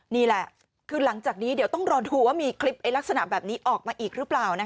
นี่แหละคือหลังจากนี้เดี๋ยวต้องรอดูว่ามีคลิปลักษณะแบบนี้ออกมาอีกหรือเปล่า